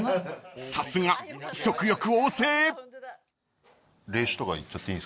［さすが食欲旺盛］